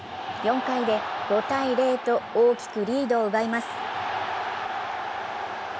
４回で５−０と大きくリードを奪います。